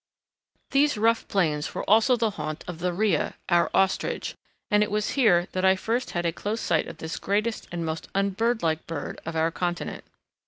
These rough plains were also the haunt of the rhea, our ostrich, and it was here that I first had a close sight of this greatest and most unbird like bird of our continent.